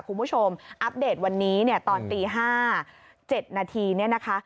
คุณผู้ชมอัปเดตวันนี้เนี่ยตอนตี๕๐๗นเนี่ยนะคะ